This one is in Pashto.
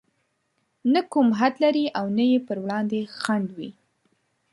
نه کوم حد لري او نه يې پر وړاندې خنډ وي.